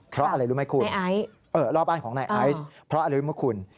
เพราะอะไรรู้ไหมคุณ